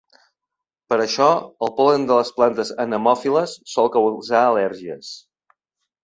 Per això, el pol·len de les plantes anemòfiles sol causar al·lèrgies.